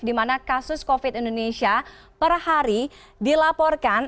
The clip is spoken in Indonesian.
dimana kasus covid indonesia per hari dilaporkan